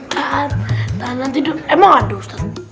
tahan tahanan tidur emang aduh ustadz